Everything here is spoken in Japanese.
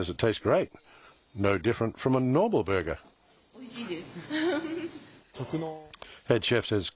おいしいです。